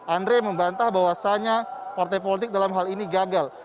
andre membantah bahwasannya partai politik dalam hal ini gagal